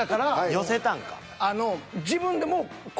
寄せたんか。